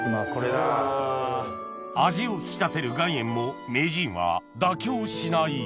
味を引き立てる岩塩も名人は妥協しない